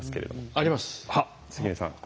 あっ関根さん。